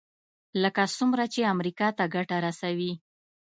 لکه څومره چې امریکا ته ګټه رسوي.